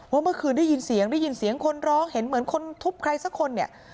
ว่าเมื่อคืนได้ยินเสียงได้ยินเสียงคนร้องเห็นเหมือนคนทุบใครสักคนเนี่ย